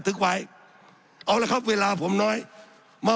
สับขาหลอกกันไปสับขาหลอกกันไป